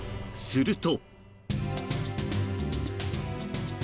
すると。